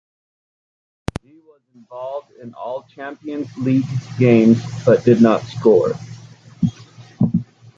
He was involved in all Champions League games, but did not score.